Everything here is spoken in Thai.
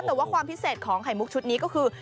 แต่ว่าความพิเศษของไข่มุกชุดนี้ก็คือ